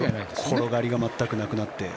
転がりが全くなくなって。